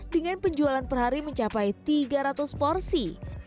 dengan penjualan per hari mencapai tiga ratus porsi